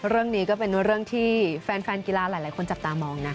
เรื่องนี้ก็เป็นเรื่องที่แฟนกีฬาหลายคนจับตามองนะคะ